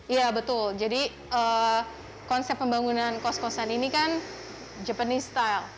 iya betul jadi konsep pembangunan kos kosan ini kan japanese style